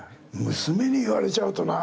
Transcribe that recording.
娘に言われちゃうとな。